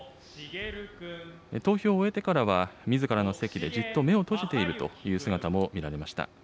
投票を終えてからは、みずからの席でじっと目を閉じているという姿も見られました。